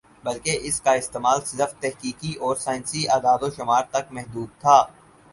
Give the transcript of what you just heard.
بلکہ اس کا استعمال صرف تحقیقی اور سائنسی اعداد و شمار تک محدود تھا